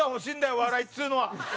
お笑いっつうのは。